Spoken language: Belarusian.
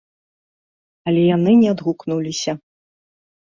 Але яны не адгукнуліся.